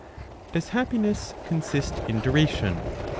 Does Happiness (consist in Duration)?